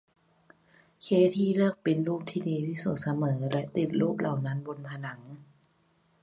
เคธี่เลือกปริ้นท์รูปที่ดีที่สุดเสมอและติดรูปเหล่านั้นบนผนัง